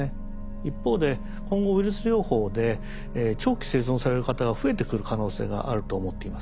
一方で今後ウイルス療法で長期生存される方が増えてくる可能性があると思っています。